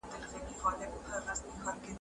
زه هیڅکله خپلي موخي نه هېروم.